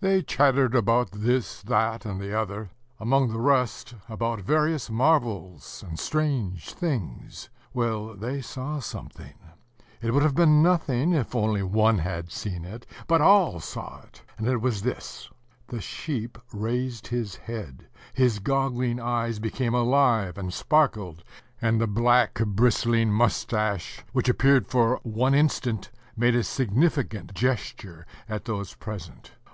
They chattered about this, that, and the other, among the rest about various marvels and strange things. Well, they saw something; it would have been nothing if only one had seen it, but all saw it; and it was this: the sheep raised his head; his goggling eyes became alive and sparkled; and the black, bristling moustache, which appeared for one instant, made a significant gesture at those present.